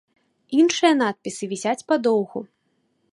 Іншыя надпісы вісяць падоўгу.